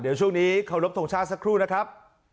เดี๋ยวช่วงนี้เคารพทงชาติสักครู่นะครับ